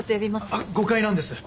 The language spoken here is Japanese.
あっ誤解なんです。